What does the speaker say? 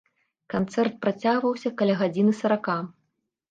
Канцэрт працягваўся каля гадзіны сарака.